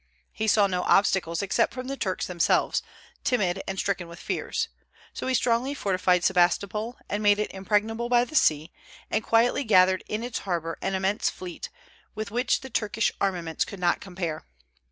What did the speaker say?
He saw no obstacles except from the Turks themselves, timid and stricken with fears; so he strongly fortified Sebastopol and made it impregnable by the sea, and quietly gathered in its harbor an immense fleet, with which the Turkish armaments could not compare.